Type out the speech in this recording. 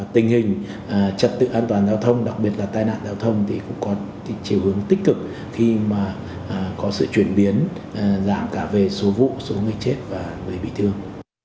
tình hình trật tự an toàn giao thông đặc biệt là tai nạn giao thông thì cũng có chiều hướng tích cực khi mà có sự chuyển biến giảm cả về số vụ số người chết và người bị thương